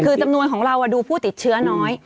คือจำนวนของเราดูผู้ติดเชื้อน้อย